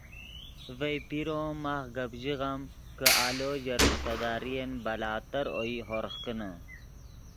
ڤئے پیرو ام ماخ گپ ژیغم کہ آلو ژے رشتہ دارین بلا تر اوئی ہورغ کینے